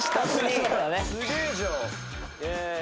すげえじゃん！